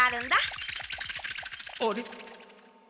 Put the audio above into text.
あれ？